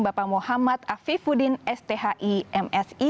bapak muhammad afifuddin sthi msi